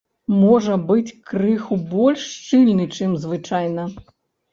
Можа быць крыху больш шчыльны, чым звычайна.